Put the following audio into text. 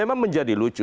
nah memang menjadi lucu